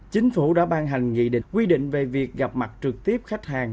chính phủ đã ban hành nghị định quy định về việc gặp mặt trực tiếp khách hàng